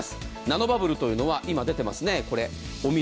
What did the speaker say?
ナノバブルというのは今出ていますね、お水。